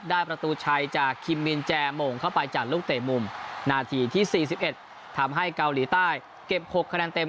ประตูชัยจากคิมมินแจโมงเข้าไปจากลูกเตะมุมนาทีที่๔๑ทำให้เกาหลีใต้เก็บ๖คะแนนเต็ม